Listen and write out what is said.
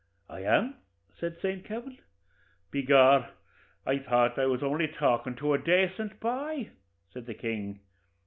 'I am,' says Saint Kavin. 'By gor, I thought I was only talking to a dacent boy,' says the king.